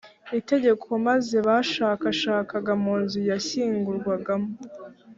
Itegeko maze bashakashaka mu nzu yashyingurwagamo